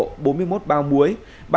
ba con tôm đỏ muối